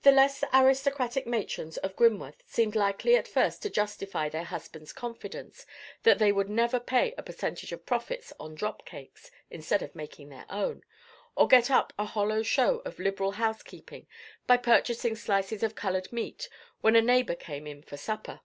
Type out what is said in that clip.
The less aristocratic matrons of Grimworth seemed likely at first to justify their husbands' confidence that they would never pay a percentage of profits on drop cakes, instead of making their own, or get up a hollow show of liberal housekeeping by purchasing slices of collared meat when a neighbour came in for supper.